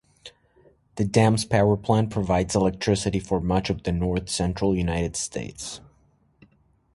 The dam's powerplant provides electricity for much of the north-central United States.